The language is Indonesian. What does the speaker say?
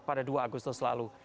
pada dua agustus lalu